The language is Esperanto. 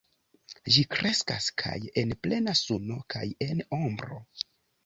Ĝi kreskas kaj en plena suno kaj en ombro.